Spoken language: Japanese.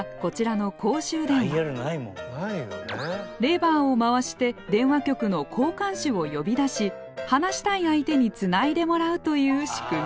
レバーを回して電話局の交換手を呼び出し話したい相手につないでもらうという仕組み。